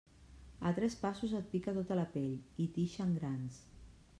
A tres passos et pica tota la pell i t'ixen grans.